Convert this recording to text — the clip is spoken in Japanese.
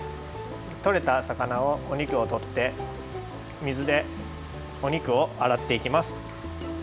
とれた魚をおにくをとって水でおにくをあらっていきます。